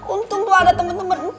untung tuh ada temen temen